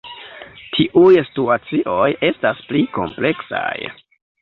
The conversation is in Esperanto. Tiuj situacioj estas pli kompleksaj.